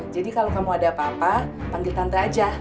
jadi kalau kamu ada apa apa panggil tante aja